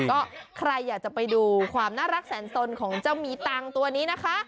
ก็ใครอยากจะไปดูความน่ารักแสนสนของเจ้ามีตังค์ตัวนี้นะคะ